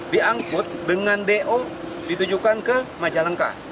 diangkut dengan do ditujukan ke majalengka